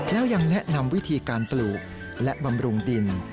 แล้วยังแนะนำวิธีการปลูกและบำรุงดิน